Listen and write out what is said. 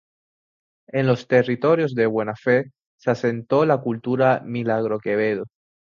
En los territorios de Buena Fe, se asentó la Cultura Milagro-Quevedo.